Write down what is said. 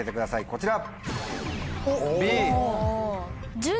こちら。